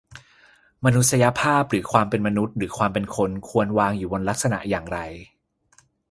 "มนุษยภาพ หรือความเป็นมนุษย์ หรือความเป็นคน ควรวางอยู่บนลักษณะอย่างไร"